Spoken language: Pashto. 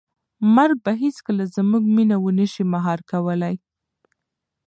مرګ به هیڅکله زموږ مینه ونه شي مهار کولی.